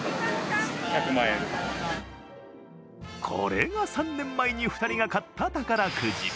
これが３年前に２人が買った宝くじ。